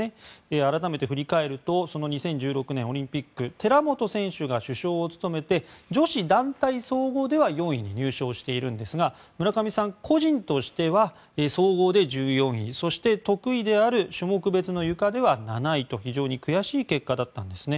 改めて振り返るとその２０１６年のオリンピック寺本選手が主将を務めて女子団体総合では４位に入賞しているんですが村上さん個人としては総合で１４位そして得意である種目別のゆかでは７位と非常に悔しい結果だったんですね。